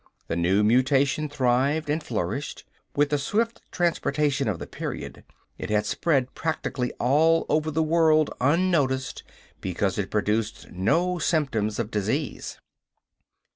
The new mutation thrived and flourished. With the swift transportation of the period, it had spread practically all over the world unnoticed, because it produced no symptoms of disease.